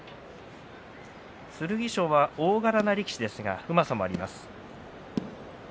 剣翔は大柄な力士ですがうまさがあります。